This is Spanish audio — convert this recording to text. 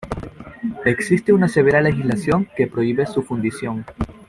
Existe una severa legislación que prohíbe su fundición.